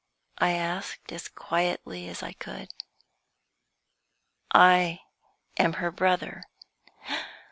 I asked, as quietly as I could. "I am her brother."